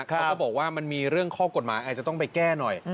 เขาบอกว่ามันมีเรื่องข้อกฎหมายอาจจะต้องไปแก้หน่อย